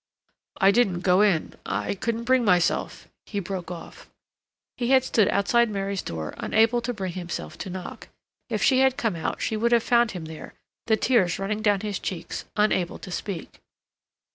"I didn't go in—I couldn't bring myself," he broke off. He had stood outside Mary's door unable to bring himself to knock; if she had come out she would have found him there, the tears running down his cheeks, unable to speak.